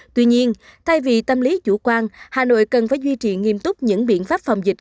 tuy nhiên thay vì tâm lý chủ quan hà nội cần phải duy trì nghiêm túc những biện pháp phòng dịch